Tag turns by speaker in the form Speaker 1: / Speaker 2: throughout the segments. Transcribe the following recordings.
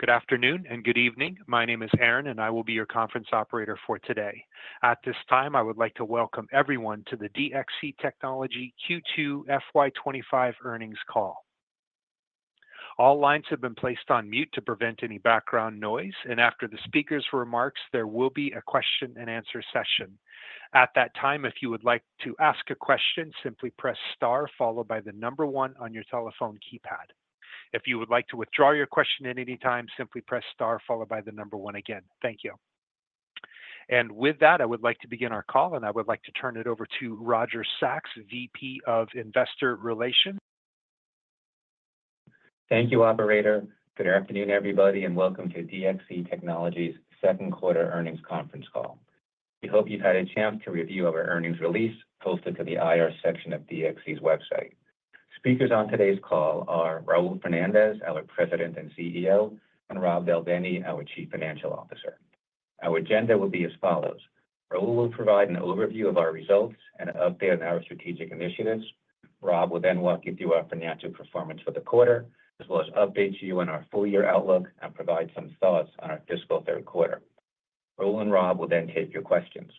Speaker 1: Good afternoon and good evening. My name is Aaron, and I will be your conference operator for today. At this time, I would like to welcome everyone to the DXC Technology Q2 FY25 earnings call. All lines have been placed on mute to prevent any background noise, and after the speaker's remarks, there will be a question-and-answer session. At that time, if you would like to ask a question, simply press star followed by the number one on your telephone keypad. If you would like to withdraw your question at any time, simply press star followed by the number one again. Thank you. And with that, I would like to begin our call, and I would like to turn it over to Roger Sachs, VP of Investor Relations.
Speaker 2: Thank you, Operator. Good afternoon, everybody, and welcome to DXC Technology's second quarter earnings conference call. We hope you've had a chance to review our earnings release posted to the IR section of DXC's website. Speakers on today's call are Raul Fernandez, our President and CEO, and Rob Del Bene, our Chief Financial Officer. Our agenda will be as follows: Raul will provide an overview of our results and update on our strategic initiatives. Rob will then walk you through our financial performance for the quarter, as well as update you on our full-year outlook and provide some thoughts on our fiscal third quarter. Raul and Rob will then take your questions.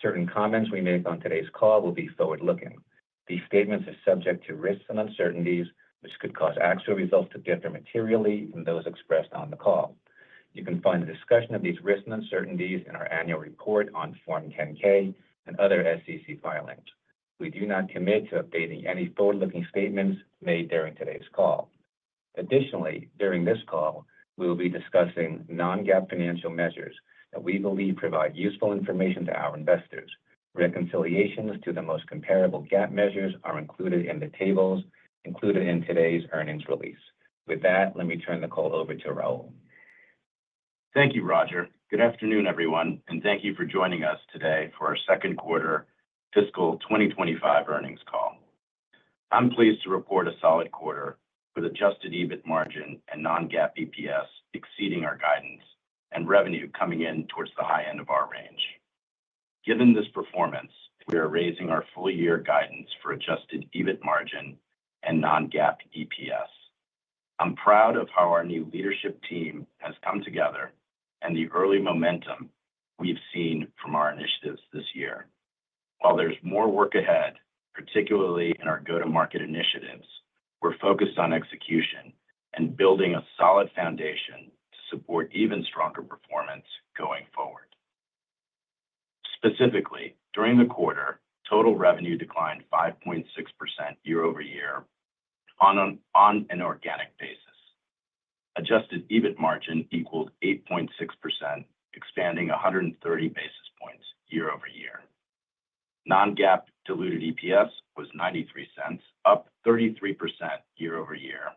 Speaker 2: Certain comments we make on today's call will be forward-looking. These statements are subject to risks and uncertainties, which could cause actual results to differ materially from those expressed on the call. You can find the discussion of these risks and uncertainties in our annual report on Form 10-K and other SEC filings. We do not commit to updating any forward-looking statements made during today's call. Additionally, during this call, we will be discussing non-GAAP financial measures that we believe provide useful information to our investors. Reconciliations to the most comparable GAAP measures are included in the tables included in today's earnings release. With that, let me turn the call over to Raul.
Speaker 3: Thank you, Roger. Good afternoon, everyone, and thank you for joining us today for our second quarter fiscal 2025 earnings call. I'm pleased to report a solid quarter with adjusted EBIT margin and non-GAAP EPS exceeding our guidance and revenue coming in towards the high end of our range. Given this performance, we are raising our full-year guidance for adjusted EBIT margin and non-GAAP EPS. I'm proud of how our new leadership team has come together and the early momentum we've seen from our initiatives this year. While there's more work ahead, particularly in our go-to-market initiatives, we're focused on execution and building a solid foundation to support even stronger performance going forward. Specifically, during the quarter, total revenue declined 5.6% year over year on an organic basis. Adjusted EBIT margin equaled 8.6%, expanding 130 basis points year over year. Non-GAAP diluted EPS was $0.93, up 33% year over year,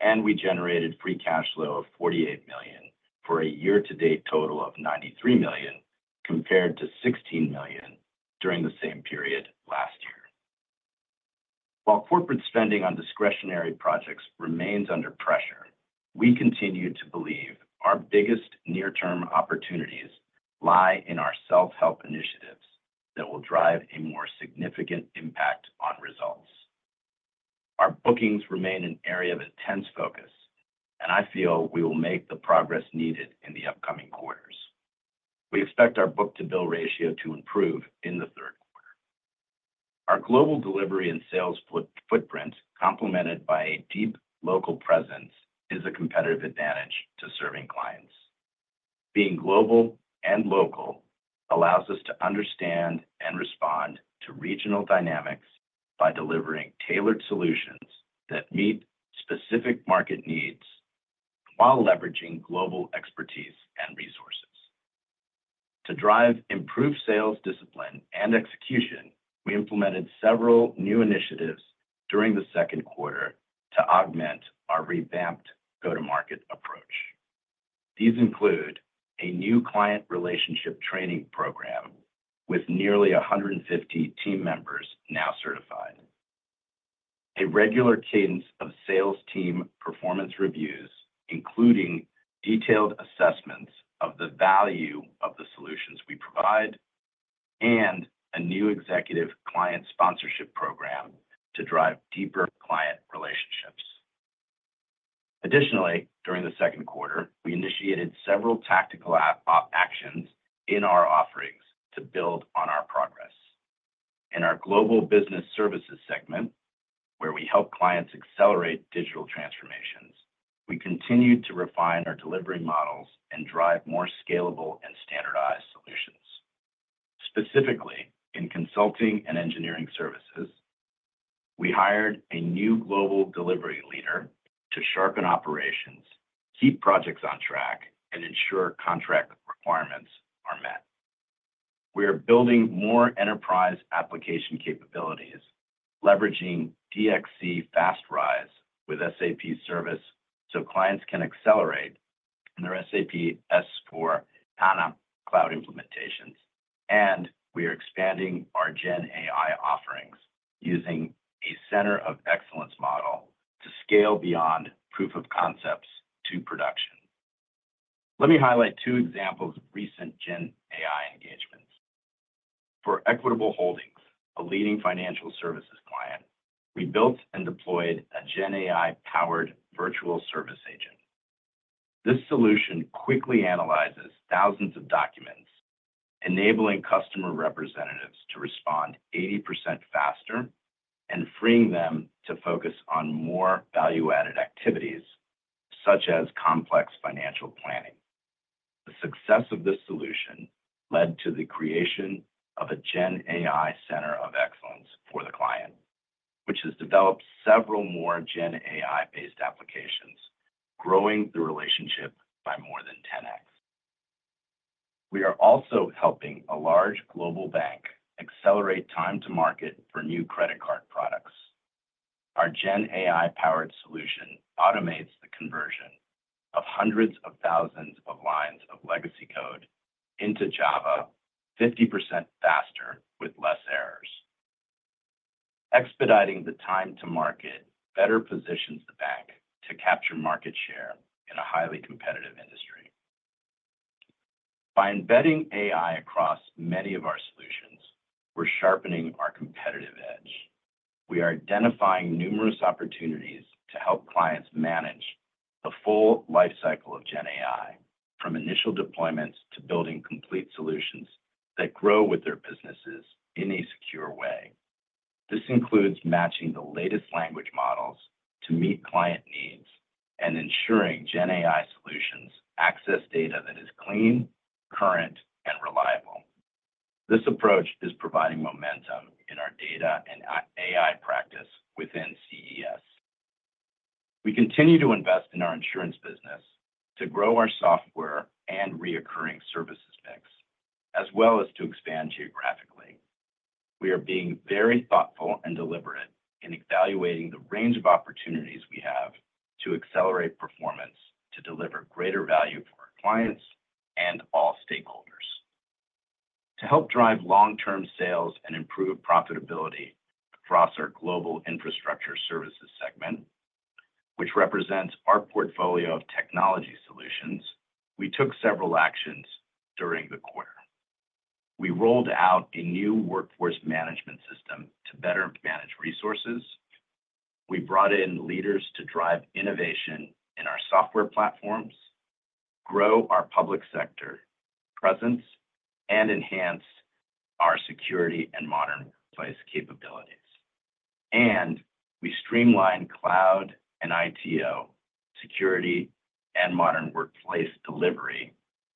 Speaker 3: and we generated free cash flow of $48 million for a year-to-date total of $93 million compared to $16 million during the same period last year. While corporate spending on discretionary projects remains under pressure, we continue to believe our biggest near-term opportunities lie in our self-help initiatives that will drive a more significant impact on results. Our bookings remain an area of intense focus, and I feel we will make the progress needed in the upcoming quarters. We expect our book-to-bill ratio to improve in the third quarter. Our global delivery and sales footprint, complemented by a deep local presence, is a competitive advantage to serving clients. Being global and local allows us to understand and respond to regional dynamics by delivering tailored solutions that meet specific market needs while leveraging global expertise and resources. To drive improved sales discipline and execution, we implemented several new initiatives during the second quarter to augment our revamped go-to-market approach. These include a new client relationship training program with nearly 150 team members now certified, a regular cadence of sales team performance reviews, including detailed assessments of the value of the solutions we provide, and a new executive client sponsorship program to drive deeper client relationships. Additionally, during the second quarter, we initiated several tactical actions in our offerings to build on our progress. In our Global Business Services segment, where we help clients accelerate digital transformations, we continue to refine our delivery models and drive more scalable and standardized solutions. Specifically, in Consulting and Engineering Services, we hired a new global delivery leader to sharpen operations, keep projects on track, and ensure contract requirements are met. We are building more enterprise application capabilities, leveraging DXC Fast RISE with SAP service so clients can accelerate their SAP S/4HANA cloud implementations, and we are expanding our GenAI offerings using a center of excellence model to scale beyond proof of concepts to production. Let me highlight two examples of recent GenAI engagements. For Equitable Holdings, a leading financial services client, we built and deployed a GenAI-powered virtual service agent. This solution quickly analyzes thousands of documents, enabling customer representatives to respond 80% faster and freeing them to focus on more value-added activities such as complex financial planning. The success of this solution led to the creation of a GenAI center of excellence for the client, which has developed several more GenAI-based applications, growing the relationship by more than 10x. We are also helping a large global bank accelerate time-to-market for new credit card products. Our GenAI-powered solution automates the conversion of hundreds of thousands of lines of legacy code into Java 50% faster with less errors. Expediting the time-to-market better positions the bank to capture market share in a highly competitive industry. By embedding AI across many of our solutions, we're sharpening our competitive edge. We are identifying numerous opportunities to help clients manage the full lifecycle of GenAI, from initial deployments to building complete solutions that grow with their businesses in a secure way. This includes matching the latest language models to meet client needs and ensuring GenAI solutions access data that is clean, current, and reliable. This approach is providing momentum in our data and AI practice within CES. We continue to invest in our insurance business to grow our software and recurring services mix, as well as to expand geographically. We are being very thoughtful and deliberate in evaluating the range of opportunities we have to accelerate performance to deliver greater value for our clients and all stakeholders. To help drive long-term sales and improve profitability across our Global Infrastructure Services segment, which represents our portfolio of technology solutions, we took several actions during the quarter. We rolled out a new workforce management system to better manage resources. We brought in leaders to drive innovation in our software platforms, grow our public sector presence, and enhance our security and Modern Workplace capabilities. And we streamlined cloud and ITO, security and Modern Workplace delivery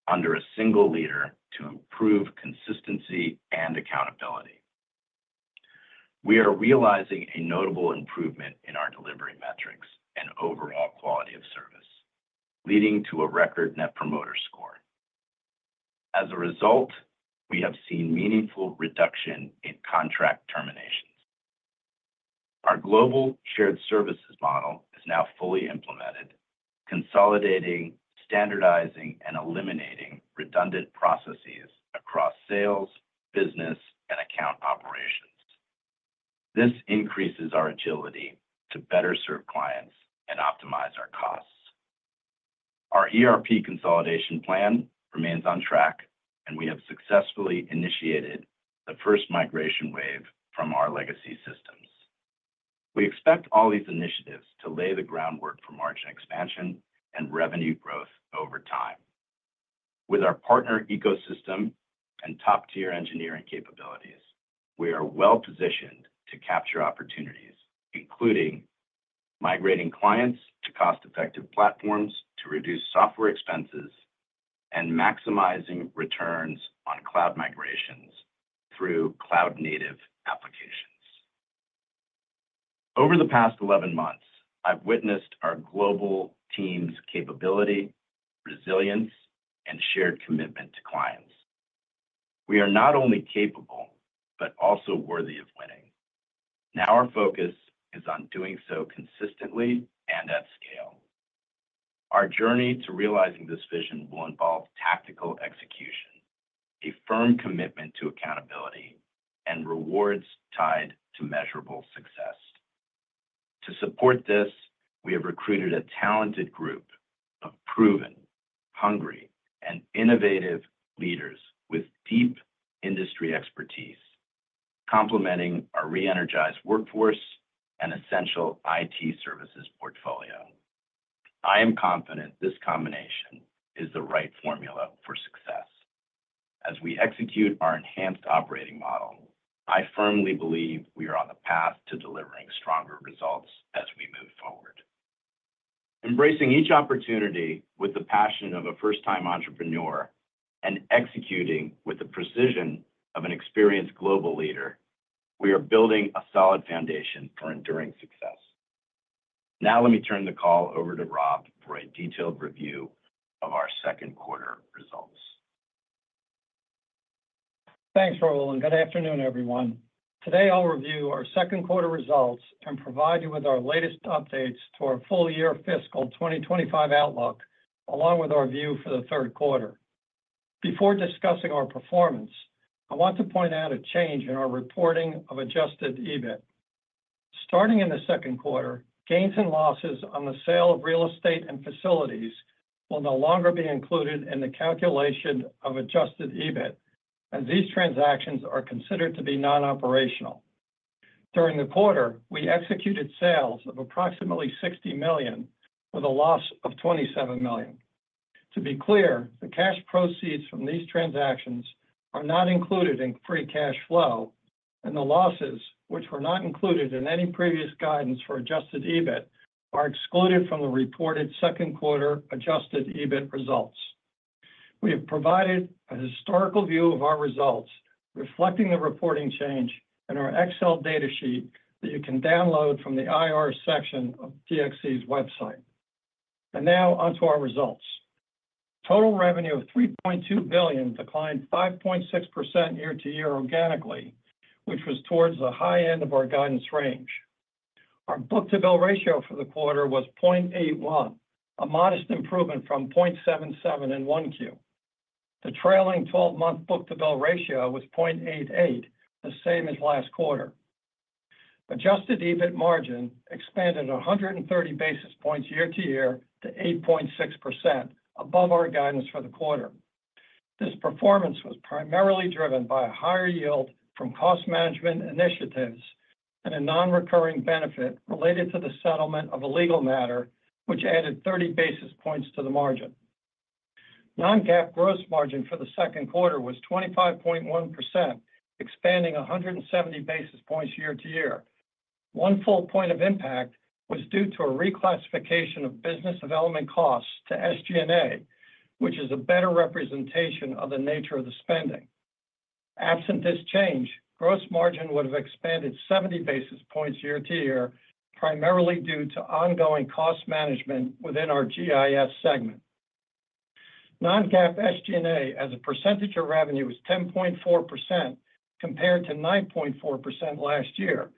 Speaker 3: under a single leader to improve consistency and accountability. We are realizing a notable improvement in our delivery metrics and overall quality of service, leading to a record Net Promoter Score. As a result, we have seen meaningful reduction in contract terminations. Our global shared services model is now fully implemented, consolidating, standardizing, and eliminating redundant processes across sales, business, and account operations. This increases our agility to better serve clients and optimize our costs. Our ERP consolidation plan remains on track, and we have successfully initiated the first migration wave from our legacy systems. We expect all these initiatives to lay the groundwork for margin expansion and revenue growth over time. With our partner ecosystem and top-tier engineering capabilities, we are well-positioned to capture opportunities, including migrating clients to cost-effective platforms to reduce software expenses and maximizing returns on cloud migrations through cloud-native applications. Over the past 11 months, I've witnessed our global team's capability, resilience, and shared commitment to clients. We are not only capable, but also worthy of winning. Now our focus is on doing so consistently and at scale. Our journey to realizing this vision will involve tactical execution, a firm commitment to accountability, and rewards tied to measurable success. To support this, we have recruited a talented group of proven, hungry, and innovative leaders with deep industry expertise, complementing our re-energized workforce and essential IT services portfolio. I am confident this combination is the right formula for success. As we execute our enhanced operating model, I firmly believe we are on the path to delivering stronger results as we move forward. Embracing each opportunity with the passion of a first-time entrepreneur and executing with the precision of an experienced global leader, we are building a solid foundation for enduring success. Now let me turn the call over to Rob for a detailed review of our second quarter results.
Speaker 4: Thanks, Raul. And good afternoon, everyone. Today, I'll review our second quarter results and provide you with our latest updates to our full-year fiscal 2025 outlook, along with our view for the third quarter. Before discussing our performance, I want to point out a change in our reporting of Adjusted EBIT. Starting in the second quarter, gains and losses on the sale of real estate and facilities will no longer be included in the calculation of Adjusted EBIT, as these transactions are considered to be non-operational. During the quarter, we executed sales of approximately $60 million with a loss of $27 million. To be clear, the cash proceeds from these transactions are not included in free cash flow, and the losses, which were not included in any previous guidance for Adjusted EBIT, are excluded from the reported second quarter Adjusted EBIT results. We have provided a historical view of our results, reflecting the reporting change in our Excel data sheet that you can download from the IR section of DXC's website, and now onto our results. Total revenue of $3.2 billion declined 5.6% year to year organically, which was towards the high end of our guidance range. Our book-to-bill ratio for the quarter was 0.81, a modest improvement from 0.77 in 1Q. The trailing 12-month book-to-bill ratio was 0.88, the same as last quarter. Adjusted EBIT margin expanded 130 basis points year to year to 8.6%, above our guidance for the quarter. This performance was primarily driven by a higher yield from cost management initiatives and a non-recurring benefit related to the settlement of a legal matter, which added 30 basis points to the margin. Non-GAAP gross margin for the second quarter was 25.1%, expanding 170 basis points year to year. One full point of impact was due to a reclassification of business development costs to SG&A, which is a better representation of the nature of the spending. Absent this change, gross margin would have expanded 70 basis points year to year, primarily due to ongoing cost management within our GIS segment. Non-GAAP SG&A as a percentage of revenue was 10.4% compared to 9.4% last year.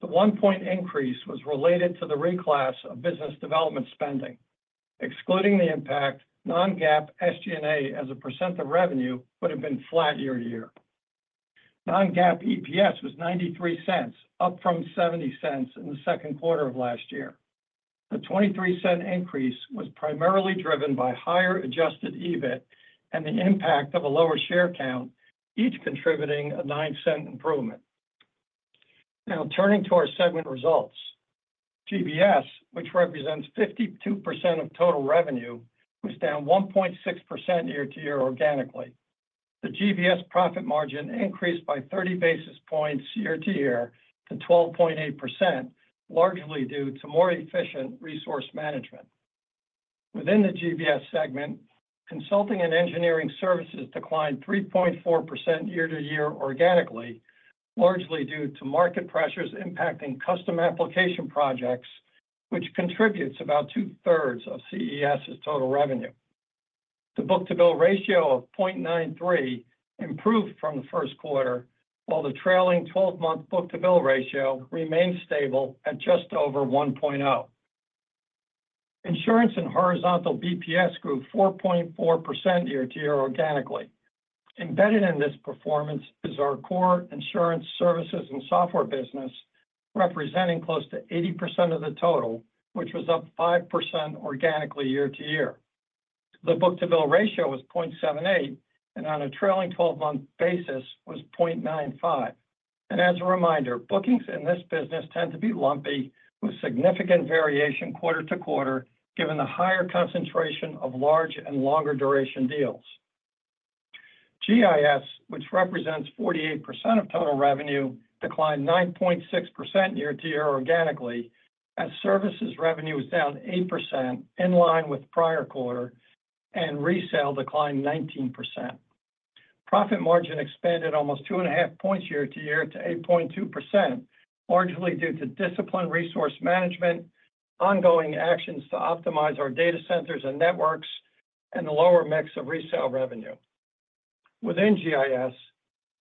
Speaker 4: The one-point increase was related to the reclass of business development spending. Excluding the impact, non-GAAP SG&A as a percent of revenue would have been flat year to year. Non-GAAP EPS was $0.93, up from $0.70 in the second quarter of last year. The $0.23 increase was primarily driven by higher adjusted EBIT and the impact of a lower share count, each contributing a $0.09 improvement. Now turning to our segment results, GBS, which represents 52% of total revenue, was down 1.6% year to year organically. The GBS profit margin increased by 30 basis points year to year to 12.8%, largely due to more efficient resource management. Within the GBS segment, consulting and engineering services declined 3.4% year to year organically, largely due to market pressures impacting custom application projects, which contributes about 2/3 of CES's total revenue. The book-to-bill ratio of 0.93 improved from the first quarter, while the trailing 12-month book-to-bill ratio remained stable at just over 1.0. Insurance and horizontal BPS grew 4.4% year to year organically. Embedded in this performance is our core insurance services and software business, representing close to 80% of the total, which was up 5% organically year to year. The book-to-bill ratio was 0.78, and on a trailing 12-month basis was 0.95. As a reminder, bookings in this business tend to be lumpy, with significant variation quarter to quarter, given the higher concentration of large and longer duration deals. GIS, which represents 48% of total revenue, declined 9.6% year to year organically, as services revenue was down 8% in line with prior quarter, and resale declined 19%. Profit margin expanded almost two and a half points year to year to 8.2%, largely due to disciplined resource management, ongoing actions to optimize our data centers and networks, and the lower mix of resale revenue. Within GIS,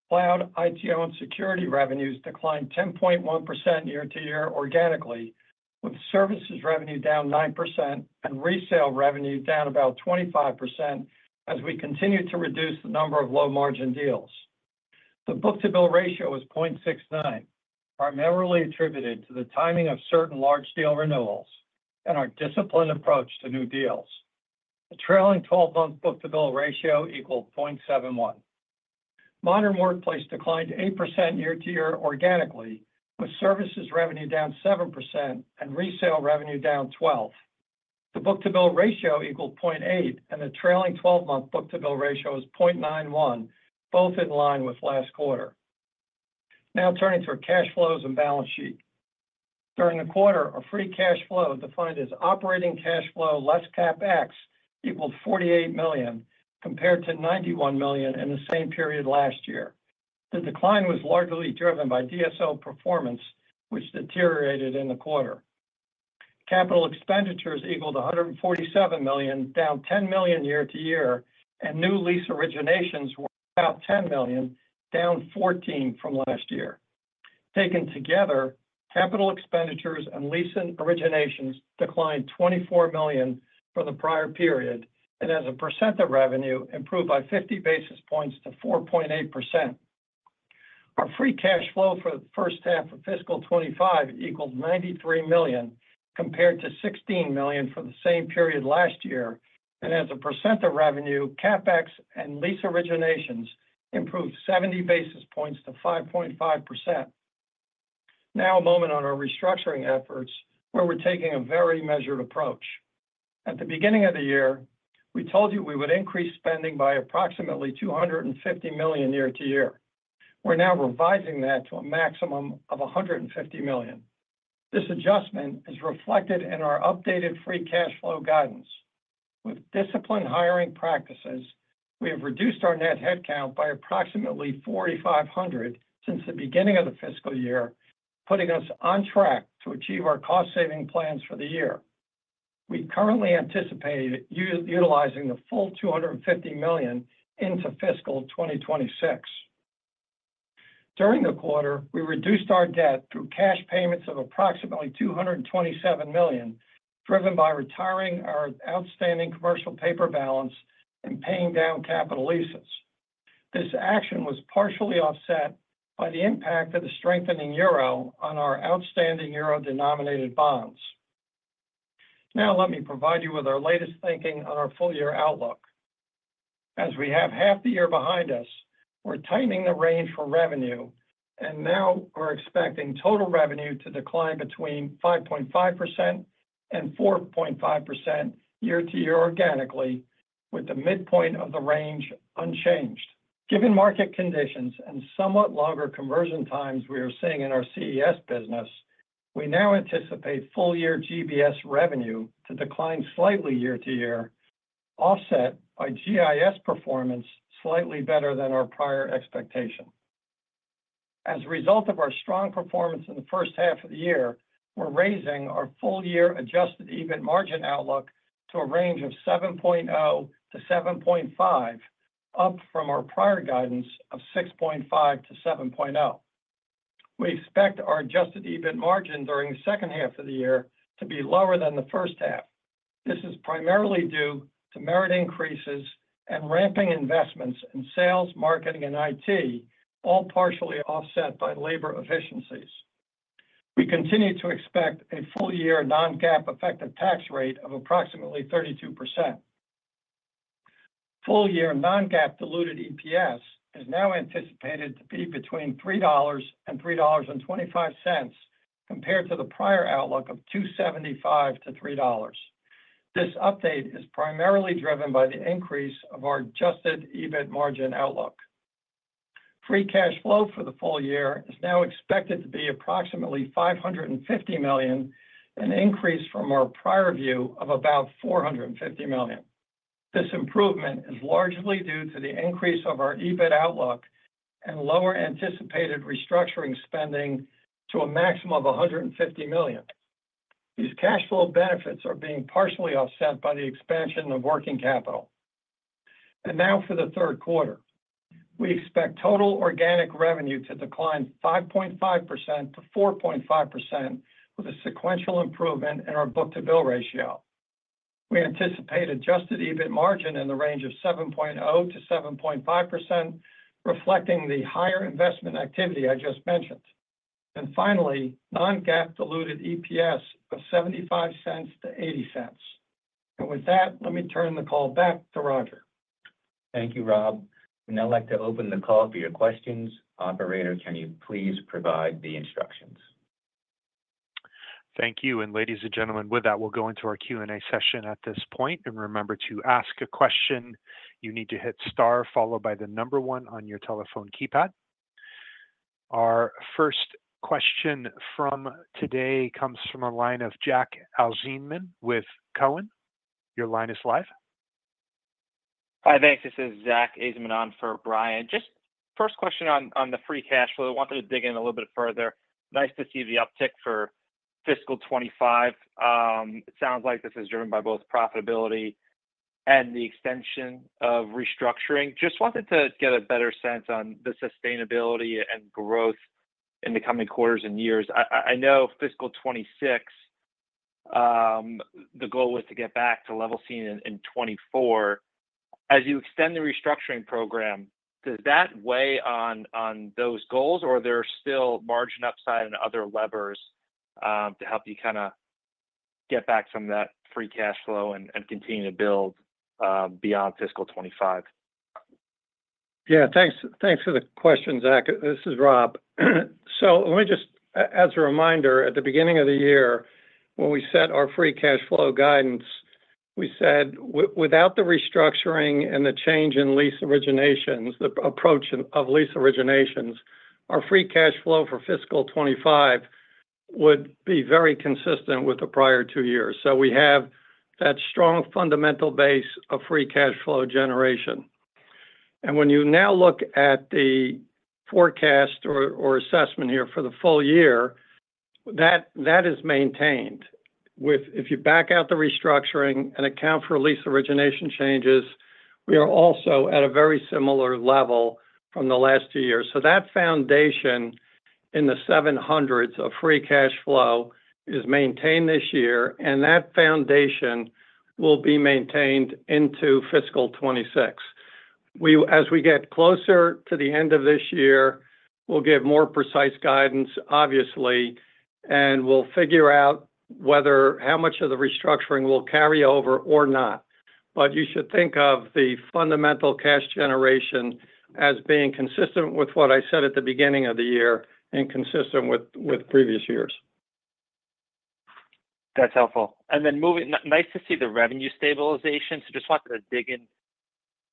Speaker 4: cloud, ITO, and security revenues declined 10.1% year to year organically, with services revenue down 9% and resale revenue down about 25% as we continue to reduce the number of low-margin deals. The book-to-bill ratio was 0.69, primarily attributed to the timing of certain large deal renewals and our disciplined approach to new deals. The trailing 12-month book-to-bill ratio equaled 0.71. Modern Workplace declined 8% year to year organically, with services revenue down 7% and resale revenue down 12%. The book-to-bill ratio equaled 0.8, and the trailing 12-month book-to-bill ratio was 0.91, both in line with last quarter. Now turning to our cash flows and balance sheet. During the quarter, our free cash flow defined as operating cash flow less CapEx equaled $48 million, compared to $91 million in the same period last year. The decline was largely driven by DSO performance, which deteriorated in the quarter. Capital expenditures equaled $147 million, down $10 million year to year, and new lease originations were about $10 million, down $14 million from last year. Taken together, capital expenditures and lease originations declined $24 million from the prior period, and as a percent of revenue, improved by 50 basis points to 4.8%. Our free cash flow for the first half of fiscal 2025 equaled $93 million, compared to $16 million for the same period last year, and as a percent of revenue, CapEx and lease originations improved 70 basis points to 5.5%. Now a moment on our restructuring efforts, where we're taking a very measured approach. At the beginning of the year, we told you we would increase spending by approximately $250 million year to year. We're now revising that to a maximum of $150 million. This adjustment is reflected in our updated free cash flow guidance. With disciplined hiring practices, we have reduced our net headcount by approximately 4,500 since the beginning of the fiscal year, putting us on track to achieve our cost-saving plans for the year. We currently anticipate utilizing the full $250 million into fiscal 2026. During the quarter, we reduced our debt through cash payments of approximately $227 million, driven by retiring our outstanding commercial paper balance and paying down capital leases. This action was partially offset by the impact of the strengthening euro on our outstanding euro denominated bonds. Now let me provide you with our latest thinking on our full-year outlook. As we have half the year behind us, we're tightening the range for revenue, and now we're expecting total revenue to decline between 5.5% and 4.5% year to year organically, with the midpoint of the range unchanged. Given market conditions and somewhat longer conversion times we are seeing in our CES business, we now anticipate full-year GBS revenue to decline slightly year to year, offset by GIS performance slightly better than our prior expectation. As a result of our strong performance in the first half of the year, we're raising our full-year Adjusted EBIT margin outlook to a range of 7.0%-7.5%, up from our prior guidance of 6.5%-7.0%. We expect our Adjusted EBIT margin during the second half of the year to be lower than the first half. This is primarily due to merit increases and ramping investments in sales, marketing, and IT, all partially offset by labor efficiencies. We continue to expect a full-year non-GAAP effective tax rate of approximately 32%. Full-year non-GAAP diluted EPS is now anticipated to be between $3 and $3.25, compared to the prior outlook of $2.75-$3. This update is primarily driven by the increase of our Adjusted EBIT margin outlook. Free cash flow for the full year is now expected to be approximately $550 million, an increase from our prior view of about $450 million. This improvement is largely due to the increase of our EBIT outlook and lower anticipated restructuring spending to a maximum of $150 million. These cash flow benefits are being partially offset by the expansion of working capital. And now for the third quarter. We expect total organic revenue to decline 5.5%-4.5%, with a sequential improvement in our book-to-bill ratio. We anticipate adjusted EBIT margin in the range of 7.0%-7.5%, reflecting the higher investment activity I just mentioned. And finally, non-GAAP diluted EPS of $0.75-$0.80. And with that, let me turn the call back to Roger.
Speaker 2: Thank you, Rob. We'd now like to open the call for your questions. Operator, can you please provide the instructions?
Speaker 1: Thank you. And ladies and gentlemen, with that, we'll go into our Q&A session at this point. And remember to ask a question. You need to hit star followed by the number one on your telephone keypad. Our first question from today comes from a line of Zack Ajzenman with TD Cowen. Your line is live.
Speaker 5: Hi, thanks. This is Zack Ajzenman for Bryan Bergin. Just first question on the free cash flow. I wanted to dig in a little bit further. Nice to see the uptick for fiscal 25. It sounds like this is driven by both profitability and the extension of restructuring. Just wanted to get a better sense on the sustainability and growth in the coming quarters and years. I know fiscal 26, the goal was to get back to level seen in 24. As you extend the restructuring program, does that weigh on those goals, or are there still margin upside and other levers to help you kind of get back some of that free cash flow and continue to build beyond fiscal 25?
Speaker 4: Yeah, thanks for the question, Zach. This is Rob. So let me just, as a reminder, at the beginning of the year, when we set our free cash flow guidance, we said without the restructuring and the change in lease originations, the approach of lease originations, our free cash flow for fiscal 2025 would be very consistent with the prior two years. So we have that strong fundamental base of free cash flow generation. And when you now look at the forecast or assessment here for the full year, that is maintained. If you back out the restructuring and account for lease origination changes, we are also at a very similar level from the last two years. So that foundation in the 700s of free cash flow is maintained this year, and that foundation will be maintained into fiscal 2026. As we get closer to the end of this year, we'll give more precise guidance, obviously, and we'll figure out how much of the restructuring will carry over or not. But you should think of the fundamental cash generation as being consistent with what I said at the beginning of the year and consistent with previous years.
Speaker 5: That's helpful. And then moving, nice to see the revenue stabilization. So just wanted to dig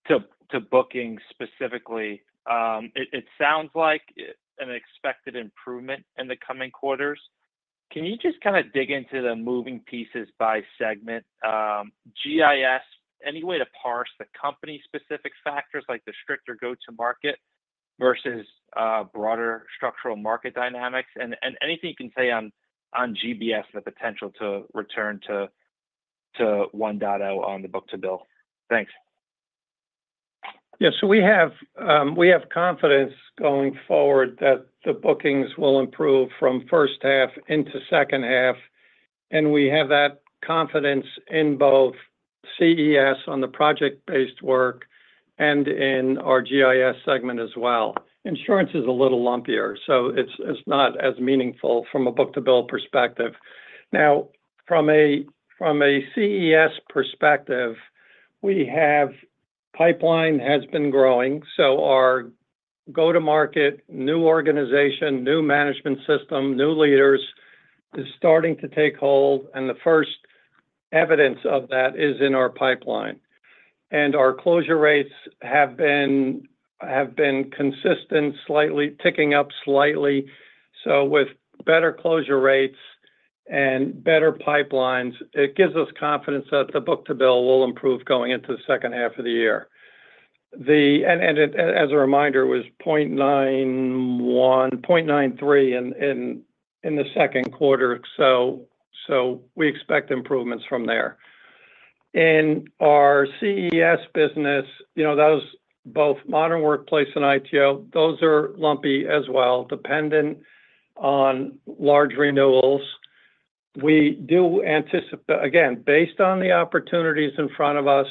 Speaker 5: into booking specifically. It sounds like an expected improvement in the coming quarters. Can you just kind of dig into the moving pieces by segment? GIS, any way to parse the company-specific factors like the stricter go-to-market versus broader structural market dynamics? And anything you can say on GBS and the potential to return to 1.0 on the book-to-bill? Thanks.
Speaker 4: Yeah, so we have confidence going forward that the bookings will improve from first half into second half. And we have that confidence in both CES on the project-based work and in our GIS segment as well. Insurance is a little lumpier, so it's not as meaningful from a book-to-bill perspective. Now, from a CES perspective, our pipeline has been growing. So our go-to-market, new organization, new management system, new leaders is starting to take hold, and the first evidence of that is in our pipeline. And our closure rates have been consistent, slightly ticking up. So with better closure rates and better pipelines, it gives us confidence that the book-to-bill will improve going into the second half of the year. And as a reminder, it was 0.91, 0.93 in the second quarter. So we expect improvements from there. In our CES business, those, both Modern Workplace and ITO, those are lumpy as well, dependent on large renewals. We do anticipate, again, based on the opportunities in front of us,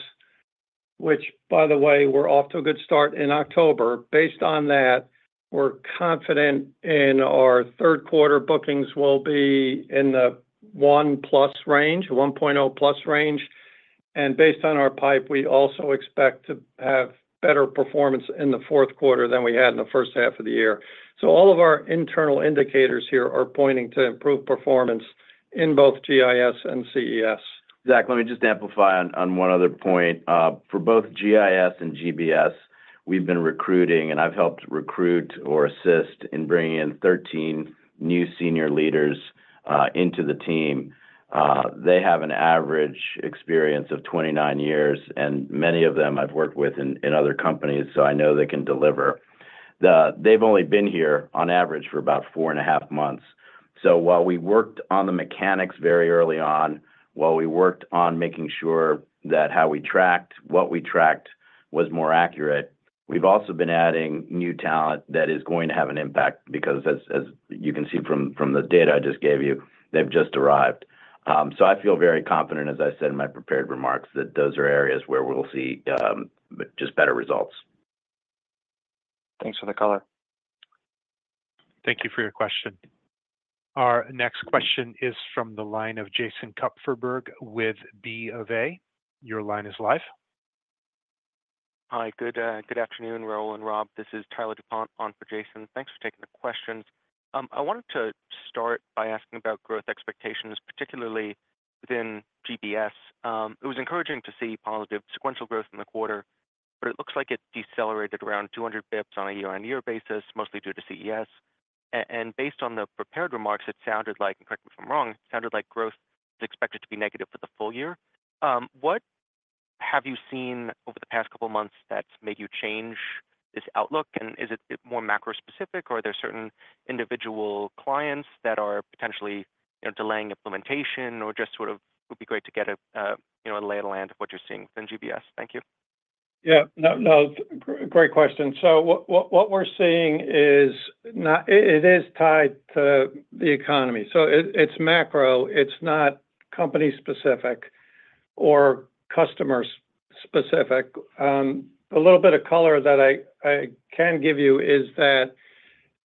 Speaker 4: which, by the way, we're off to a good start in October. Based on that, we're confident in our third quarter bookings will be in the 1 plus range, 1.0 plus range, and based on our pipe, we also expect to have better performance in the fourth quarter than we had in the first half of the year, so all of our internal indicators here are pointing to improved performance in both GIS and CES.
Speaker 3: Zach, let me just amplify on one other point. For both GIS and GBS, we've been recruiting, and I've helped recruit or assist in bringing in 13 new senior leaders into the team. They have an average experience of 29 years, and many of them I've worked with in other companies, so I know they can deliver. They've only been here on average for about four and a half months. So while we worked on the mechanics very early on, while we worked on making sure that how we tracked, what we tracked was more accurate, we've also been adding new talent that is going to have an impact because, as you can see from the data I just gave you, they've just arrived. So I feel very confident, as I said in my prepared remarks, that those are areas where we'll see just better results.
Speaker 5: Thanks for the color.
Speaker 1: Thank you for your question. Our next question is from the line of Jason Kupferberg with B of A. Your line is live.
Speaker 6: Hi, good afternoon, Raul and Rob. This is Tyler DuPont on for Jason. Thanks for taking the questions. I wanted to start by asking about growth expectations, particularly within GBS. It was encouraging to see positive sequential growth in the quarter, but it looks like it decelerated around 200 basis points on a year-on-year basis, mostly due to CES. And based on the prepared remarks, it sounded like, and correct me if I'm wrong, it sounded like growth is expected to be negative for the full year. What have you seen over the past couple of months that's made you change this outlook? And is it more macro-specific, or are there certain individual clients that are potentially delaying implementation, or just sort of would be great to get a lay of the land of what you're seeing within GBS? Thank you.
Speaker 4: Yeah, no, great question. So what we're seeing is that it is tied to the economy. So it's macro. It's not company-specific or customer-specific. A little bit of color that I can give you is that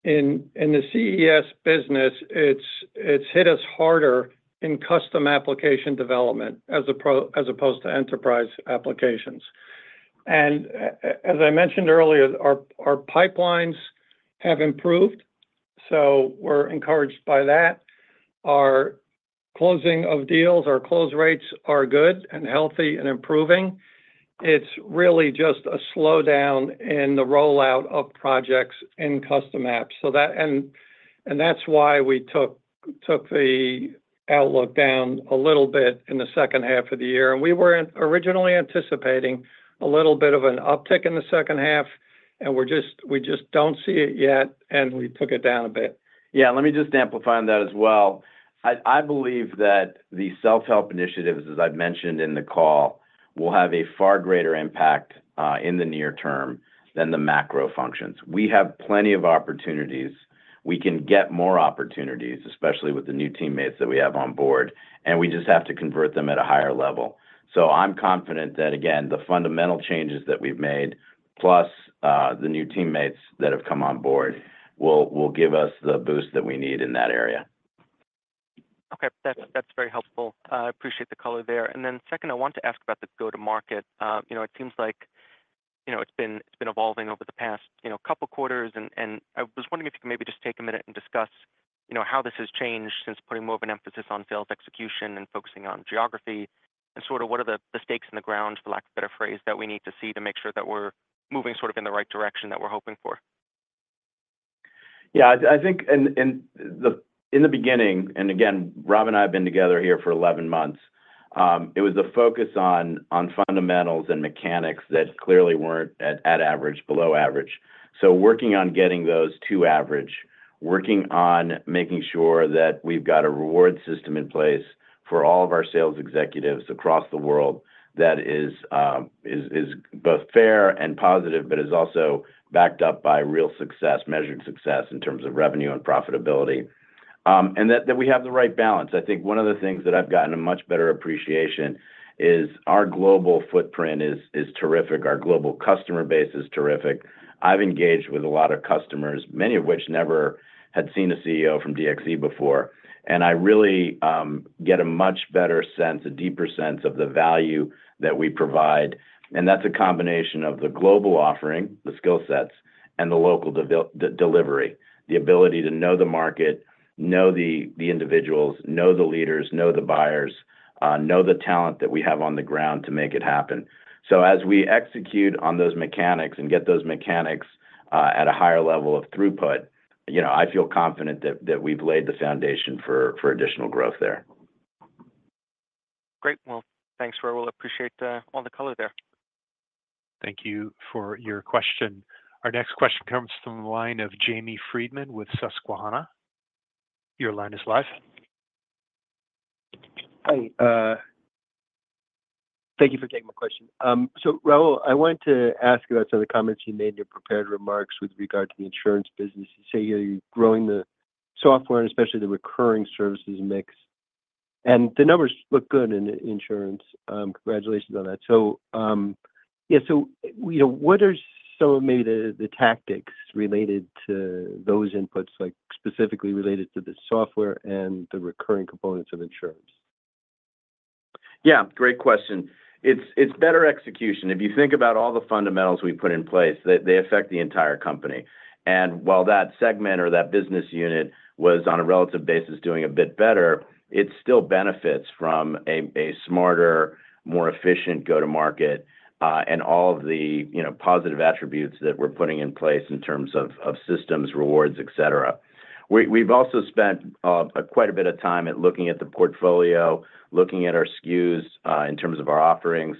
Speaker 4: in the CES business, it's hit us harder in custom application development as opposed to enterprise applications. And as I mentioned earlier, our pipelines have improved, so we're encouraged by that. Our closing of deals, our close rates are good and healthy and improving. It's really just a slowdown in the rollout of projects in custom apps. And that's why we took the outlook down a little bit in the second half of the year. And we were originally anticipating a little bit of an uptick in the second half, and we just don't see it yet, and we took it down a bit.
Speaker 3: Yeah, let me just amplify on that as well. I believe that the self-help initiatives, as I've mentioned in the call, will have a far greater impact in the near term than the macro functions. We have plenty of opportunities. We can get more opportunities, especially with the new teammates that we have on board, and we just have to convert them at a higher level. So I'm confident that, again, the fundamental changes that we've made, plus the new teammates that have come on board, will give us the boost that we need in that area.
Speaker 6: Okay, that's very helpful. I appreciate the color there, and then second, I want to ask about the go-to-market. It seems like it's been evolving over the past couple of quarters, and I was wondering if you could maybe just take a minute and discuss how this has changed since putting more of an emphasis on sales execution and focusing on geography and sort of what are the stakes in the ground, for lack of a better phrase, that we need to see to make sure that we're moving sort of in the right direction that we're hoping for?
Speaker 3: Yeah, I think in the beginning, and again, Rob and I have been together here for 11 months, it was a focus on fundamentals and mechanics that clearly weren't at average, below average. So working on getting those to average, working on making sure that we've got a reward system in place for all of our sales executives across the world that is both fair and positive, but is also backed up by real success, measured success in terms of revenue and profitability, and that we have the right balance. I think one of the things that I've gotten a much better appreciation is our global footprint is terrific. Our global customer base is terrific. I've engaged with a lot of customers, many of which never had seen a CEO from DXC before. And I really get a much better sense, a deeper sense of the value that we provide. And that's a combination of the global offering, the skill sets, and the local delivery, the ability to know the market, know the individuals, know the leaders, know the buyers, know the talent that we have on the ground to make it happen. So as we execute on those mechanics and get those mechanics at a higher level of throughput, I feel confident that we've laid the foundation for additional growth there.
Speaker 6: Great. Well, thanks, Raul. Appreciate all the color there.
Speaker 1: Thank you for your question. Our next question comes from the line of Jamie Friedman with Susquehanna. Your line is live.
Speaker 7: Hi. Thank you for taking my question. So Raul, I wanted to ask about some of the comments you made in your prepared remarks with regard to the insurance business. You say you're growing the software and especially the recurring services mix. And the numbers look good in insurance. Congratulations on that. So yeah, so what are some of maybe the tactics related to those inputs, specifically related to the software and the recurring components of insurance?
Speaker 3: Yeah, great question. It's better execution. If you think about all the fundamentals we put in place, they affect the entire company and while that segment or that business unit was on a relative basis doing a bit better, it still benefits from a smarter, more efficient go-to-market and all of the positive attributes that we're putting in place in terms of systems, rewards, etc. We've also spent quite a bit of time at looking at the portfolio, looking at our SKUs in terms of our offerings,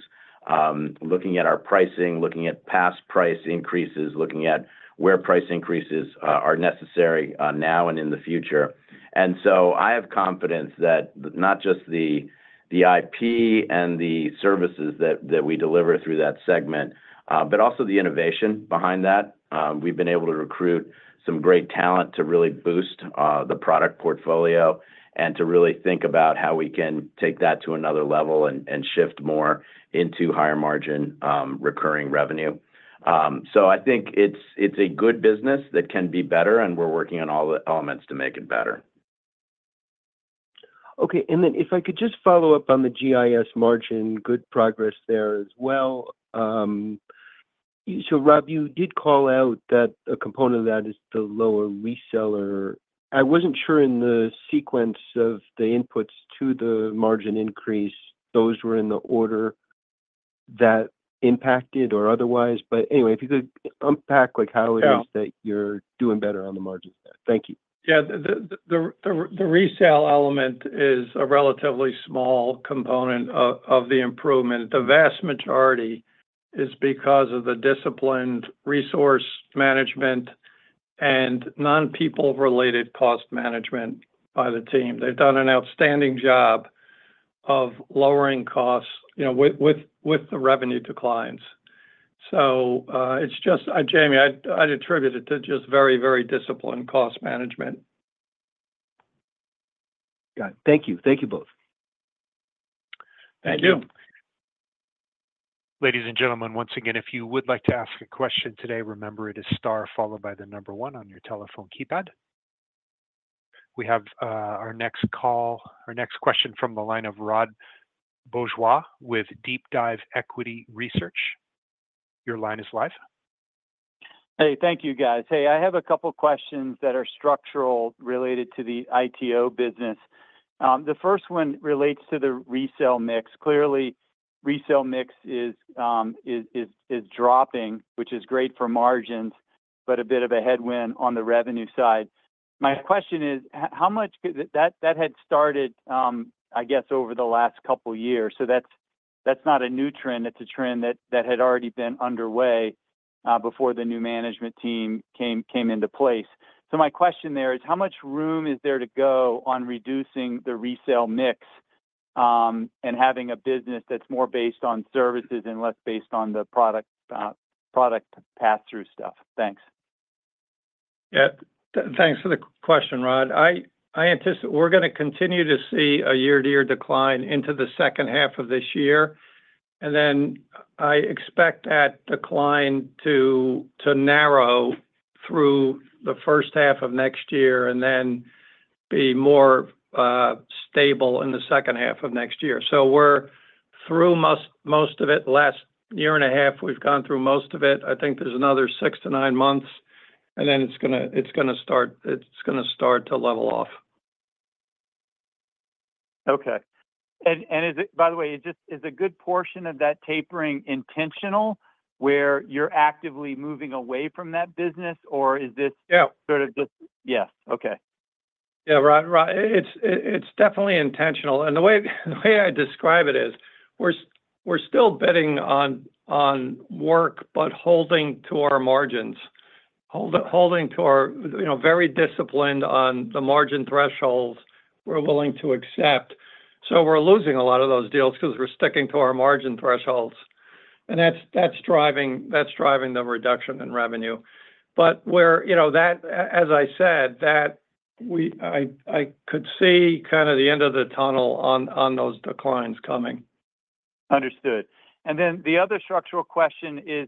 Speaker 3: looking at our pricing, looking at past price increases, looking at where price increases are necessary now and in the future and so I have confidence that not just the IP and the services that we deliver through that segment, but also the innovation behind that. We've been able to recruit some great talent to really boost the product portfolio and to really think about how we can take that to another level and shift more into higher margin recurring revenue. So I think it's a good business that can be better, and we're working on all the elements to make it better.
Speaker 7: Okay. And then if I could just follow up on the GIS margin, good progress there as well. So Rob, you did call out that a component of that is the lower reseller. I wasn't sure in the sequence of the inputs to the margin increase, those were in the order that impacted or otherwise. But anyway, if you could unpack how it is that you're doing better on the margins there? Thank you.
Speaker 4: Yeah, the resale element is a relatively small component of the improvement. The vast majority is because of the disciplined resource management and non-people-related cost management by the team. They've done an outstanding job of lowering costs with the revenue declines. So it's just, Jamie, I'd attribute it to just very, very disciplined cost management.
Speaker 7: Got it. Thank you. Thank you both.
Speaker 1: Thank you. Ladies and gentlemen, once again, if you would like to ask a question today, remember it is star followed by the number one on your telephone keypad. We have our next call, our next question from the line of Rod Bourgeois with DeepDive Equity Research. Your line is live.
Speaker 8: Hey, thank you, guys. Hey, I have a couple of questions that are structural related to the ITO business. The first one relates to the resale mix. Clearly, resale mix is dropping, which is great for margins, but a bit of a headwind on the revenue side. My question is, how much that had started, I guess, over the last couple of years. So that's not a new trend. It's a trend that had already been underway before the new management team came into place. So my question there is, how much room is there to go on reducing the resale mix and having a business that's more based on services and less based on the product pass-through stuff? Thanks.
Speaker 4: Yeah, thanks for the question, Rod. We're going to continue to see a year-to-year decline into the second half of this year. And then I expect that decline to narrow through the first half of next year and then be more stable in the second half of next year. So we're through most of it. Last year and a half, we've gone through most of it. I think there's another six to nine months, and then it's going to start to level off.
Speaker 8: Okay. And by the way, is a good portion of that tapering intentional where you're actively moving away from that business, or is this sort of just?
Speaker 4: Yeah.
Speaker 8: Yes. Okay.
Speaker 4: Yeah, Rod, it's definitely intentional. And the way I describe it is we're still betting on work, but holding to our margins, holding to our very disciplined on the margin thresholds we're willing to accept. So we're losing a lot of those deals because we're sticking to our margin thresholds. And that's driving the reduction in revenue. But as I said, I could see kind of the end of the tunnel on those declines coming.
Speaker 8: Understood. And then the other structural question is,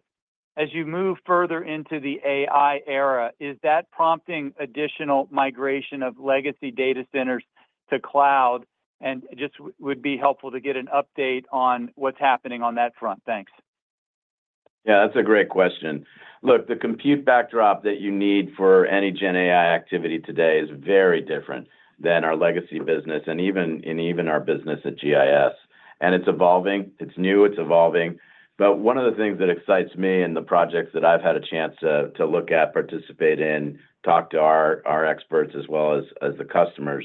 Speaker 8: as you move further into the AI era, is that prompting additional migration of legacy data centers to cloud? And just would be helpful to get an update on what's happening on that front. Thanks.
Speaker 3: Yeah, that's a great question. Look, the compute backdrop that you need for any GenAI activity today is very different than our legacy business and even our business at GIS. And it's evolving. It's new. It's evolving. But one of the things that excites me in the projects that I've had a chance to look at, participate in, talk to our experts as well as the customers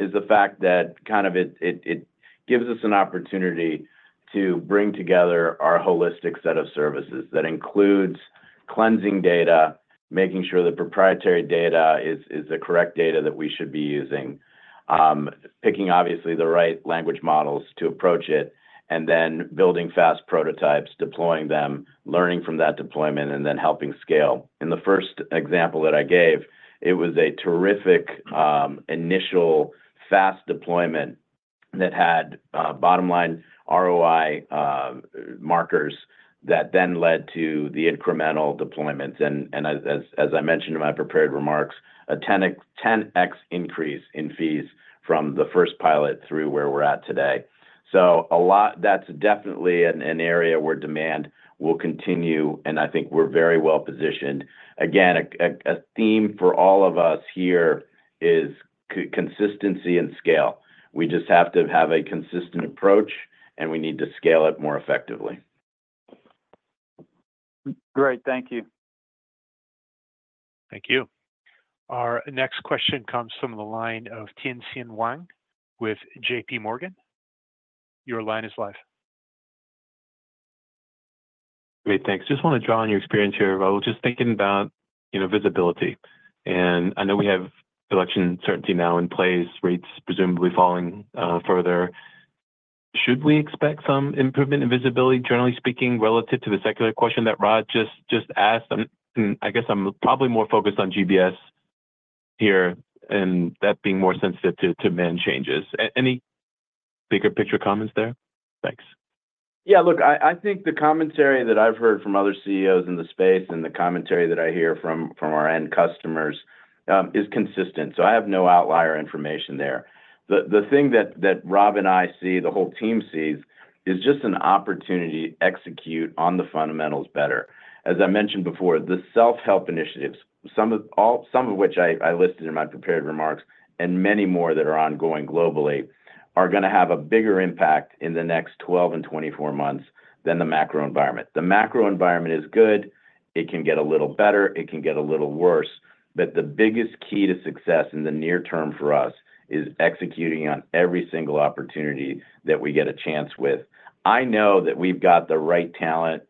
Speaker 3: is the fact that kind of it gives us an opportunity to bring together our holistic set of services that includes cleansing data, making sure the proprietary data is the correct data that we should be using, picking obviously the right language models to approach it, and then building fast prototypes, deploying them, learning from that deployment, and then helping scale. In the first example that I gave, it was a terrific initial fast deployment that had bottom-line ROI markers that then led to the incremental deployments. And as I mentioned in my prepared remarks, a 10X increase in fees from the first pilot through where we're at today. So that's definitely an area where demand will continue, and I think we're very well positioned. Again, a theme for all of us here is consistency and scale. We just have to have a consistent approach, and we need to scale it more effectively.
Speaker 8: Great. Thank you.
Speaker 1: Thank you. Our next question comes from the line of Tien-tsin Huang with JPMorgan. Your line is live.
Speaker 9: Great. Thanks. Just want to draw on your experience here, Raul, just thinking about visibility, and I know we have election certainty now in place, rates presumably falling further. Should we expect some improvement in visibility, generally speaking, relative to the secular question that Rod just asked? I guess I'm probably more focused on GBS here and that being more sensitive to macro changes. Any bigger picture comments there? Thanks.
Speaker 3: Yeah, look, I think the commentary that I've heard from other CEOs in the space and the commentary that I hear from our end customers is consistent. So I have no outlier information there. The thing that Rob and I see, the whole team sees, is just an opportunity to execute on the fundamentals better. As I mentioned before, the self-help initiatives, some of which I listed in my prepared remarks and many more that are ongoing globally, are going to have a bigger impact in the next 12 and 24 months than the macro environment. The macro environment is good. It can get a little better. It can get a little worse. But the biggest key to success in the near term for us is executing on every single opportunity that we get a chance with. I know that we've got the right talent,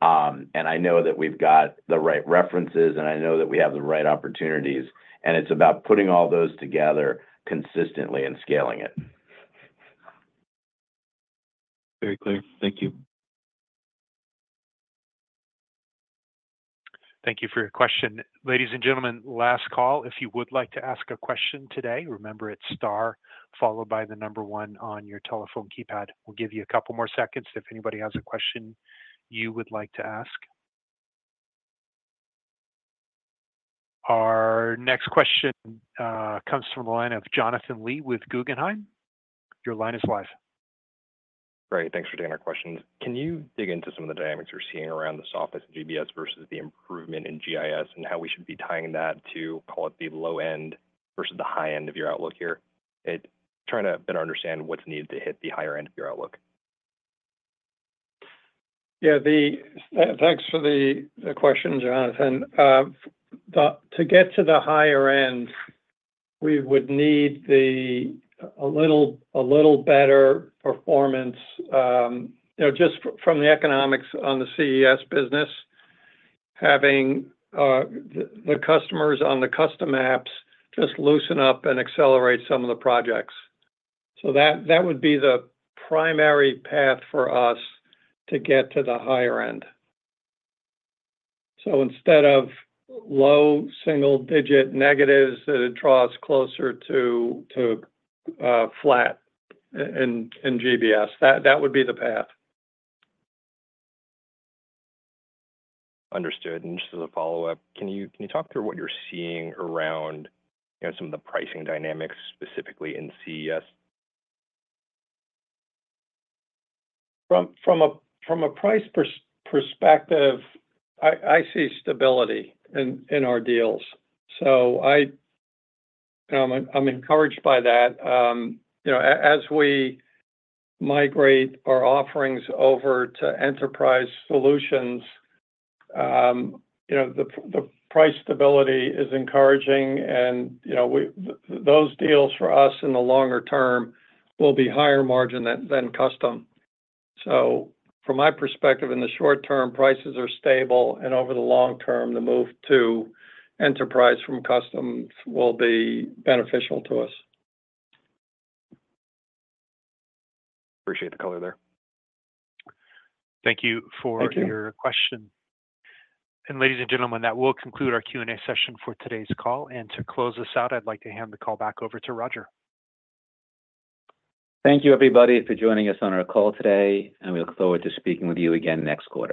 Speaker 3: and I know that we've got the right references, and I know that we have the right opportunities, and it's about putting all those together consistently and scaling it.
Speaker 9: Very clear. Thank you.
Speaker 1: Thank you for your question. Ladies and gentlemen, last call. If you would like to ask a question today, remember it's star followed by the number one on your telephone keypad. We'll give you a couple more seconds if anybody has a question you would like to ask. Our next question comes from the line of Jonathan Lee with Guggenheim. Your line is live.
Speaker 10: Great. Thanks for taking our questions. Can you dig into some of the dynamics you're seeing around the softness of GBS versus the improvement in GIS and how we should be tying that to, call it, the low end versus the high end of your outlook here? Trying to better understand what's needed to hit the higher end of your outlook.
Speaker 4: Yeah. Thanks for the question, Jonathan. To get to the higher end, we would need a little better performance just from the economics on the CES business, having the customers on the custom apps just loosen up and accelerate some of the projects. So that would be the primary path for us to get to the higher end. So instead of low single-digit negatives, that it draws closer to flat in GBS. That would be the path.
Speaker 10: Understood. Just as a follow-up, can you talk through what you're seeing around some of the pricing dynamics specifically in CES?
Speaker 4: From a price perspective, I see stability in our deals, so I'm encouraged by that. As we migrate our offerings over to enterprise solutions, the price stability is encouraging, and those deals for us in the longer term will be higher margin than custom, so from my perspective, in the short term, prices are stable, and over the long term, the move to enterprise from custom will be beneficial to us.
Speaker 10: Appreciate the color there.
Speaker 1: Thank you for your question. And ladies and gentlemen, that will conclude our Q&A session for today's call. And to close this out, I'd like to hand the call back over to Roger.
Speaker 2: Thank you, everybody, for joining us on our call today. And we look forward to speaking with you again next quarter.